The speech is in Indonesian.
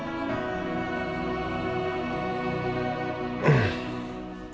ya udah kita cari cara